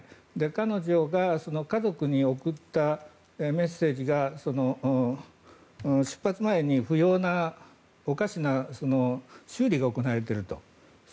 彼女が家族に送ったメッセージが出発前に不要なおかしな修理が行われていると。